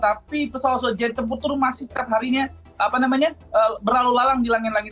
tapi soal soal jangka putru masih setiap harinya berlalu lalang di langit langit